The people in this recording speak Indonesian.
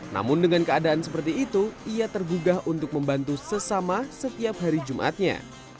namun dengan keadaan seperti itu ia tergugah untuk membantu sesama setiap hari jumatnya